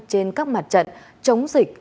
trên các mặt trận chống dịch